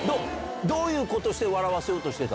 どういうことして笑わせようとしてた？